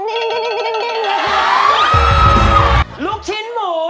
ลูกชิ้นหมูลูกชิ้นหมู